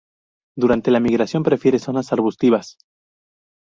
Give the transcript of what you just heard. Durante la migración prefiere zonas arbustivas.